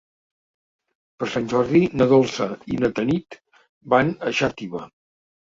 Per Sant Jordi na Dolça i na Tanit van a Xàtiva.